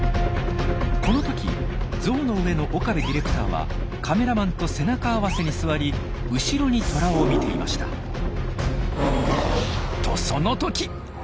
この時ゾウの上の岡部ディレクターはカメラマンと背中合わせに座り後ろにトラを見ていましたとその時。